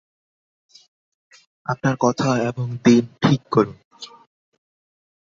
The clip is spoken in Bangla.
আপনার কথা এবং দিন ঠিক করুন।